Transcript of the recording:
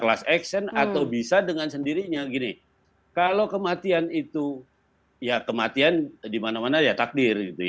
class action atau bisa dengan sendirinya gini kalau kematian itu ya kematian di mana mana ya takdir gitu ya